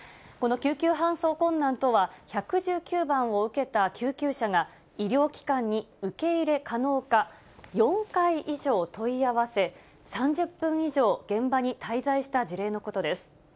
この救急搬送困難とは、１１９番を受けた救急車が、医療機関に受け入れ可能か４回以上問い合わせ、３０分以上現場に滞在した事例のことです。